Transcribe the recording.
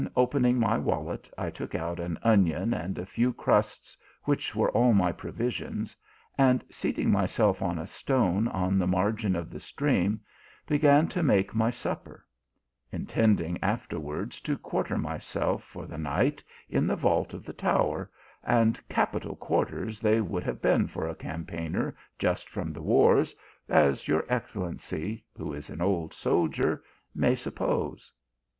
255 opening my wallet, I took out an onion and a few crusts, which were all my provisions, and seating myself on a stone on the margin of the stream, began to make my supper ; intending afterwards to quarter myself for the night in the vault of the tower, and capital quarters they would have been for a campaigner just from the wars, as your excellency, who is an old soldier, may suppose."